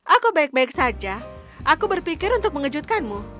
aku baik baik saja aku berpikir untuk mengejutkanmu